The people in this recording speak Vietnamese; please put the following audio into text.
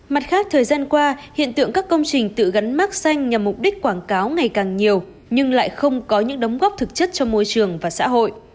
mặt khác thời gian qua hiện tượng các công trình tự gắn mác xanh nhằm mục đích quảng cáo ngày càng nhiều nhưng lại không có những đóng góp thực chất cho môi trường và xã hội